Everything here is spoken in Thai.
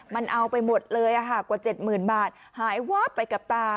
มันเอาไปหมดเลยค่ะกว่าเจ็ดหมื่นบาทหายวอบไปกับตา